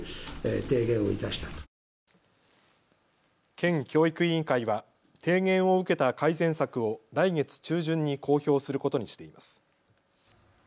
県教育委員会は提言を受けた改善策を来月中旬に公表することにしています。